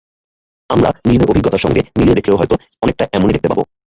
আমরা নিজেদের অভিজ্ঞতার সঙ্গে মিলিয়ে দেখলেও হয়তো অনেকটা এমনই দেখতে পাব।